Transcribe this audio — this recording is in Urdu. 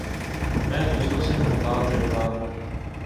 میں دوسروں سے محتاط رہتا ہوں